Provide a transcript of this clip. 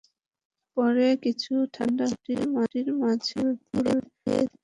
পুর কিছুটা ঠান্ডা হলে, রুটির মাঝে পুর দিয়ে রোল করে নিন।